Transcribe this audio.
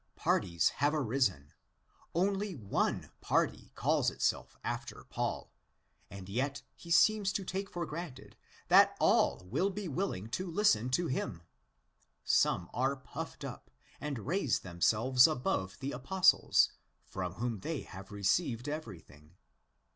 Parties have arisen ; only one party calls itself after Paul; and yet he seems to take it for granted that all will be willing to listen to him. Some are " puffed up," and raise themselves above 'the Apostles," from whom they have received everything.